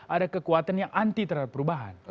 ada kekuatan yang anti terhadap perubahan